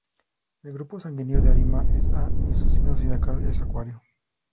El grupo sanguíneo de Arima es A y su signo zodiacal es Acuario.